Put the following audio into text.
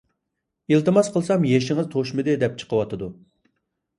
ئىلتىماس قىلسام «يېشىڭىز توشمىدى» دەپ چىقىۋاتىدۇ.